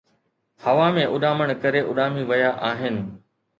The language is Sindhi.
ھوا ۾ اڏامڻ ڪري اُڏامي ويا آھن